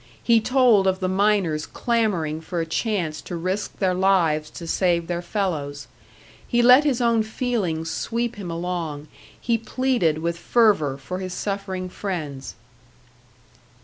He told of the miners clamouring for a chance to risk their lives to save their fellows. He let his own feelings sweep him along; he pleaded with fervour for his suffering friends.